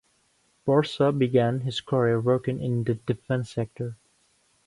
Barsa began his career working in the defense sector.